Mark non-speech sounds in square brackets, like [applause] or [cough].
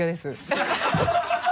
ハハハ [laughs]